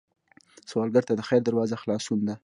سوالګر ته د خیر دروازه خلاصون ده